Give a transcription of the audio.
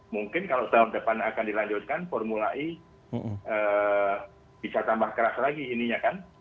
mungkin kalau tahun depan akan dilanjutkan formula e bisa tambah keras lagi ininya kan